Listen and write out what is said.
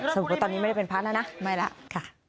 สมมุติว่าตอนนี้ไม่ได้เป็นพระแล้วนะไม่แล้วค่ะ